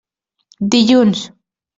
Dilluns.